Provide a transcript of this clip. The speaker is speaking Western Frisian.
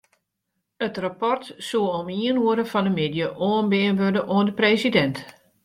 It rapport soe om ien oere fan 'e middei oanbean wurde oan de presidint.